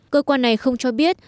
cơ quan này không cho biết